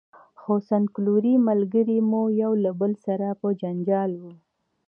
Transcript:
خو څنګلوري ملګري مو یو له بل سره په جنجال وو.